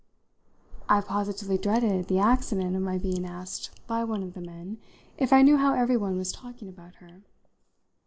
I positively dreaded the accident of my being asked by one of the men if I knew how everyone was talking about her.